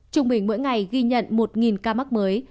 chúng mình mỗi ngày ghi nhận một ca mắc mới